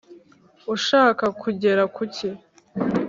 Ushaka kugera kuki